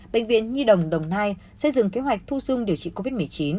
bệnh viện nhi đồng đồng nai xây dựng kế hoạch thu dung điều trị covid một mươi chín